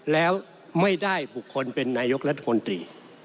แล้วไม่ได้บุคคลเป็นนายกรัฐมนตรี